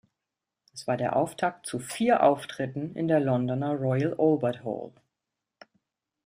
Es war der Auftakt zu vier Auftritten in der Londoner Royal Albert Hall.